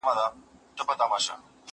زه هره ورځ سبزېجات جمع کوم!!